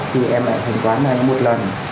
thì em lại thanh toán cho anh một lần